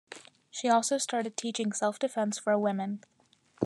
She also started teaching self-defense for women.